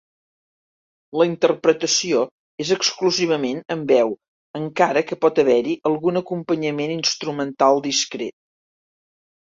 La interpretació és exclusivament amb veu encara que pot haver-hi algun acompanyament instrumental discret.